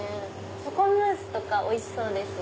「チョコムース」とかおいしそうですね。